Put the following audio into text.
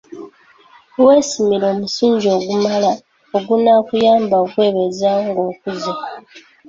"Weesimira omusingi ogumala, ogunaakuyamba okwebeezaawo ng'okuze."